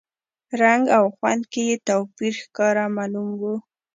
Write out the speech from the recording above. رنګ او خوند کې یې توپیر ښکاره معلوم و.